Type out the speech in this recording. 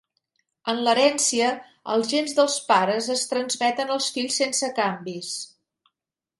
En l'herència, els gens dels pares es transmeten als fills sense canvis.